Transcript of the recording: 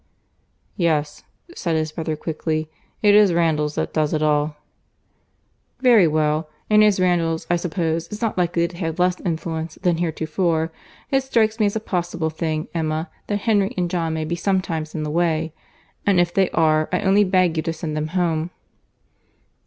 "Yes," said his brother quickly, "it is Randalls that does it all." "Very well—and as Randalls, I suppose, is not likely to have less influence than heretofore, it strikes me as a possible thing, Emma, that Henry and John may be sometimes in the way. And if they are, I only beg you to send them home."